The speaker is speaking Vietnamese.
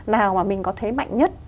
nào mà mình có thấy mạnh nhất